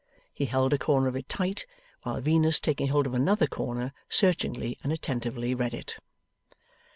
He held a corner of it tight, while Venus, taking hold of another corner, searchingly and attentively read it.